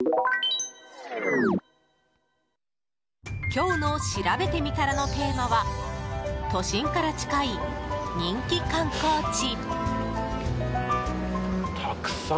今日のしらべてみたらのテーマは都心から近い人気観光地。